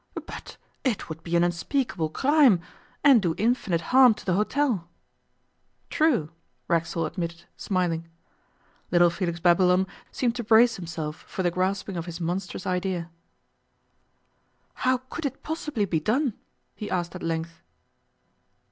'But it would be an unspeakable crime, and do infinite harm to the hotel!' 'True!' Racksole admitted, smiling. Little Felix Babylon seemed to brace himself for the grasping of his monstrous idea. 'How could it possibly be done?' he asked at length.